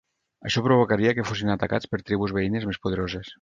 Això provocaria que fossin atacats per tribus veïnes més poderoses.